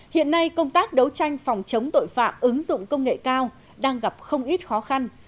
hiện nay công tác đấu tranh phòng chống tội phạm ứng dụng công nghệ cao đang gặp không ít khó khăn